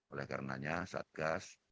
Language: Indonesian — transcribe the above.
oleh karenanya satgas